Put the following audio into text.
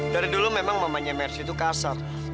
dari dulu memang mamanya mercy itu kasar